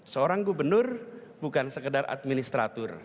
seorang gubernur bukan sekedar administrator